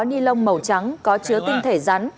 ni lông màu trắng có chứa tinh thể rắn